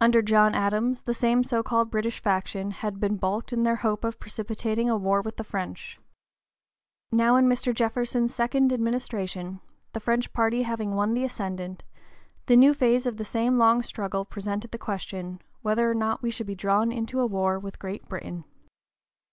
Under John Adams the same so called British faction had been baulked in their hope of precipitating a war with the French. Now in Mr. Jefferson's second administration, the French party having won the ascendant, the new phase of the same long struggle presented the question, whether or not we should be drawn into a war with Great Britain.